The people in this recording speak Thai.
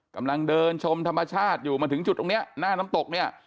กำลังเดินชมธรรมชาติอยู่มาถึงจุดตรงนี้หน้าน้ำตกเนี่ย